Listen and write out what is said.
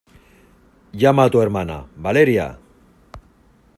llama a tu hermana. ¡ Valeria!